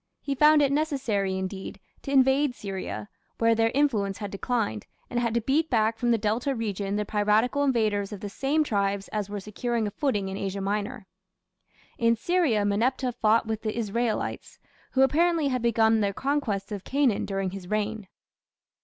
He found it necessary, indeed, to invade Syria, where their influence had declined, and had to beat back from the Delta region the piratical invaders of the same tribes as were securing a footing in Asia Minor. In Syria, Meneptah fought with the Israelites, who apparently had begun their conquest of Canaan during his reign.